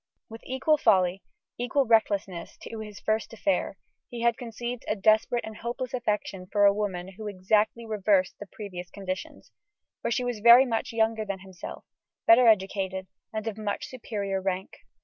With equal folly, equal recklessness, to his first affair, he had conceived a desperate and hopeless affection for a woman who exactly reversed the previous conditions for she was very much younger than himself, better educated, and of much superior rank.